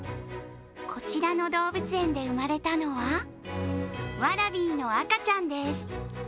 こちらの動物園で生まれたのはワラビーの赤ちゃんです。